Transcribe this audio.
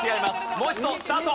もう一度スタート。